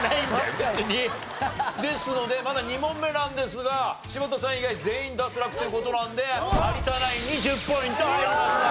ですのでまだ２問目なんですが柴田さん以外全員脱落という事なんで有田ナインに１０ポイント入りました。